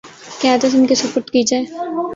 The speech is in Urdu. قیادت ان کے سپرد کی جائے